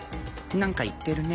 なんか言ってるね。